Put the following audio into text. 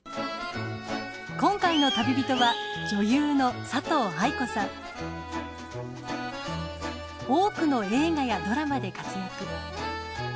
今回の旅人は多くの映画やドラマで活躍。